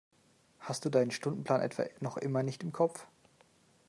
Hast du deinen Stundenplan etwa noch immer nicht im Kopf?